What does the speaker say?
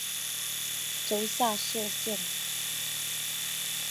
州下设县。